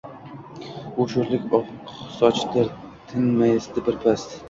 U sho‘rlik oqsochdir, tinmaydi birpas: